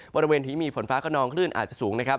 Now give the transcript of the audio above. บริเวณที่มีฝนฟ้าก็นองขึ้นอาจจะสูง